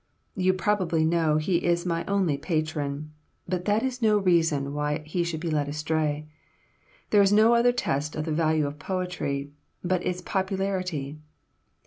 You probably know he is my only patron, but that is no reason he should be led astray. There is no other test of the value of poetry, but its popularity.